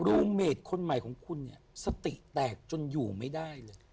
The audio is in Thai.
รูเมดคนใหม่ของคุณเนี่ยสติแตกจนอยู่ไม่ได้เลย